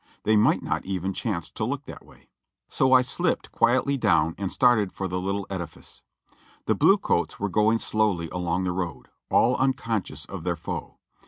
They might not even chance to look that way. So I slipped quietly down and started for the little edifice. The blue coats were going slowly along^ the road, all unconscious of their foe.